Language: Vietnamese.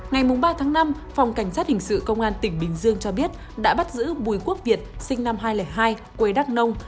ngày ba tháng năm phòng cảnh sát hình sự công an tỉnh bình dương cho biết đã bắt giữ bùi quốc việt sinh năm hai nghìn hai quê đắk nông